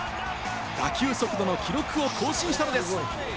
打球速度の記録を更新したのです。